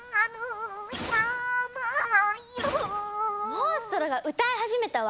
モンストロが歌い始めたわ！